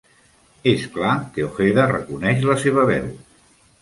És clar que Ojeda reconeix la seva veu.